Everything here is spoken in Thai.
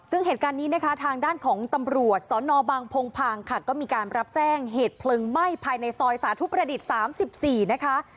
ซึ่งเหตุการณ์นี้นะคะทางด้านของตำรวจสนบางพงพางค่ะก็มีการรับแจ้งเหตุเพลิงไหม้ภายในซอยสาธุประดิษฐ์๓๔นะคะ